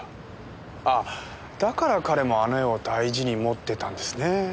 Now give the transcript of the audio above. あっだから彼もあの絵を大事に持ってたんですね。